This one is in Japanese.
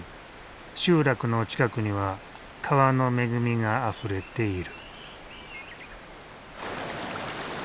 集落の近くには川の恵みがあふれている。